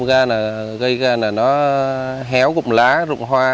gây ra nó héo cùng lá rụng hoa